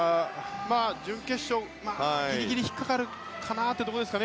準決勝にギリギリ引っかかるかなというところですかね